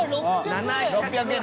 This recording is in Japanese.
７００円！